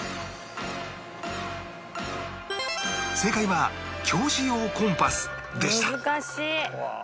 正解は教師用コンパスでした